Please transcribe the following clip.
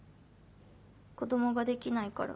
子供ができないから。